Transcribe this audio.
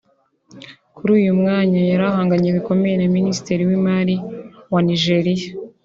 kuri uyu mwanya yari ahanganye bikomeye na Minisitiri w’Imari wa Nigeria